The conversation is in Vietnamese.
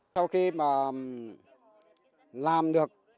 sau khi làm được